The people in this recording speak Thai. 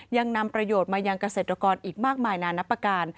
ยังนำประโยชน์มายังเกษตรกรอีกมากมายนานับประการ